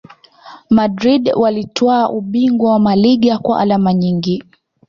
madrid walitwaa ubingwa wa laliga kwa alama nyingi